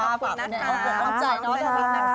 ขอบคุณนะครับขอบใจน้องแซนวิชนะครับ